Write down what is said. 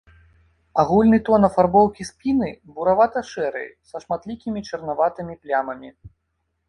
Агульны тон афарбоўкі спіны буравата-шэры, са шматлікімі чарнаватымі плямамі.